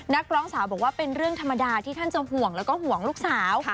นักร้องสาวบอกว่าเป็นเรื่องธรรมดาที่ท่านจะห่วงแล้วก็ห่วงลูกสาว